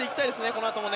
このあとも。